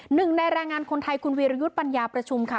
หนึ่งในแรงงานคนไทยคุณวีรยุทธ์ปัญญาประชุมค่ะ